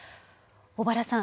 小原さん